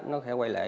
nó sẽ quay lại